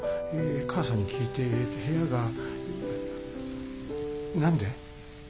母さんに聞いて部屋が何で？